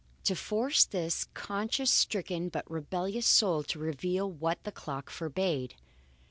To force this conscience stricken but rebellious soul to reveal what the clock forbade!